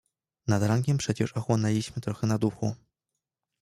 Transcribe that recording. "Nad rankiem przecież ochłonęliśmy trochę na duchu."